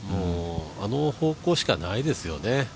あの方向しかないですよね。